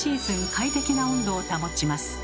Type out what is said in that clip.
快適な温度を保ちます。